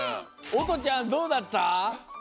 おとちゃんどうだった？